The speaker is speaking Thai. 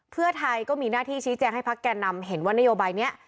เพื่อไทยก็มีหน้าที่ชี้แจงให้พักแก่นำเห็นว่านโยบายนี้